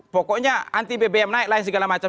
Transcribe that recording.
pokoknya anti bbm naik lain segala macam